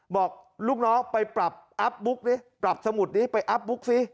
บอกลูกน้องไปปรับอัพบุ๊กดิปรับสมุดนี้ไปอัพบุ๊กซิ